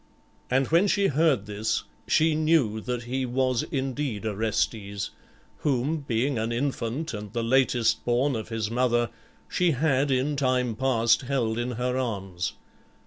And when she heard this, she knew that he was indeed Orestes, whom, being an infant and the latest born of his mother, she had in time past held in her arms.